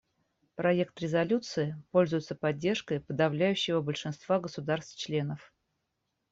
Проект резолюции пользуется поддержкой подавляющего большинства государств-членов.